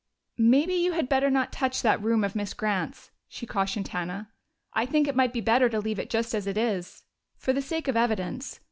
"Maybe you had better not touch that room of Miss Grant's," she cautioned Hannah. "I think it might be better to leave it just as it is for the sake of evidence.